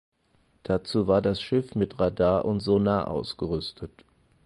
Dazu war das Schiff mit Radar und Sonar ausgerüstet.